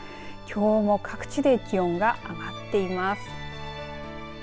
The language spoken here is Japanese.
きょうも各地で気温が上がっています。